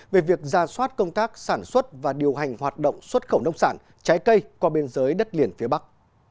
về việc ra soát công tác sản xuất và điều hành hoạt động xuất khẩu nông sản trái cây qua biên giới đất liền phía bắc